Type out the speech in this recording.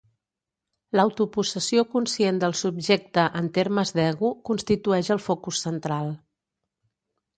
L'autopossessió conscient del subjecte en termes d'ego constitueix el focus central.